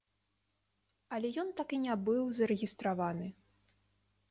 Але ён так і не быў зарэгістраваны.